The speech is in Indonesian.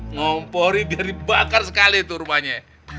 ngompori biar dibakar sekali itu rumahnya